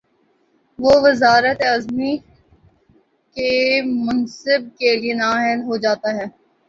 وہ وزارت عظمی کے منصب کے لیے نااہل ہو جا تا ہے۔